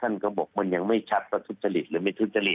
ท่านก็บอกมันยังไม่ชัดว่าทุจริตหรือไม่ทุจริต